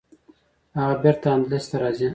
هغه بیرته اندلس ته راځي.